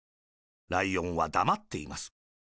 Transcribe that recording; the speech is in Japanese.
ライオンは、だまっています。